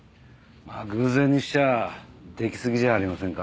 まあ偶然にしちゃ出来すぎじゃありませんか？